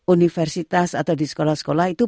universitas atau di sekolah sekolah itu